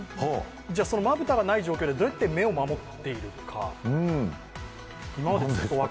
その、まぶたがない状況でどうやって目を守っているか。